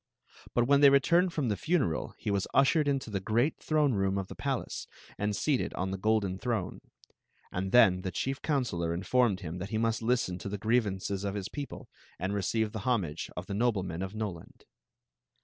Bu* wb. n they returned from the funeral he was ushered into the great tl loiic room of the palace and seated on the golden th. m c; and then the chief coun selor informed him tbit kt mast li^n to ^ griev aiccs of his people and recdve the homage df the noyemen of Noland.